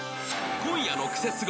［今夜の『クセスゴ』